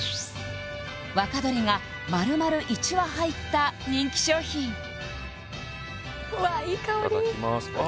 若鶏が丸々１羽入った人気商品うわいい香りいただきますああ